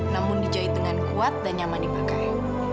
namun dijahit dengan kuat dan nyaman dipakai